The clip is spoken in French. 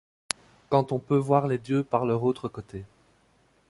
Quand on peut voir les dieux par leur autre côté.